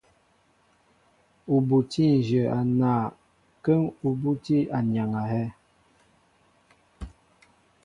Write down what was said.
Ú bútí nzhě a naay kə́ŋ ú bútí anyaŋ a hɛ́.